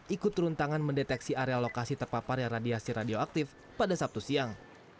ikut turun tangan mendeteksi area lokasi terpapar yang radiasi radioaktif pada sabtu siang